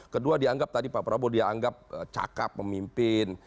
kedua dianggap tadi pak prabowo dianggap cakap pemimpin